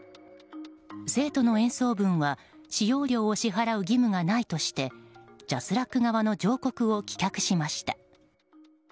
生徒の演奏分は使用料を支払う義務がないとしてＪＡＳＲＡＣ側の上告を棄却しました。